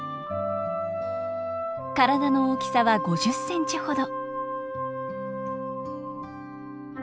体の大きさは５０センチほど。